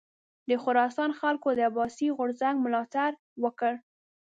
د خراسان خلکو د عباسي غورځنګ ملاتړ وکړ.